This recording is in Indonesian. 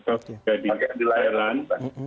atau di thailand